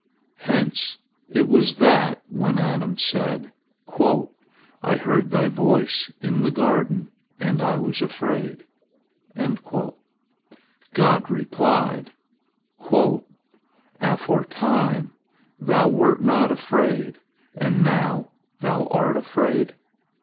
Hence it was that when Adam said, "I heard Thy voice in the garden, and I was afraid," God replied, "Aforetime thou wert not afraid, and now thou art afraid?"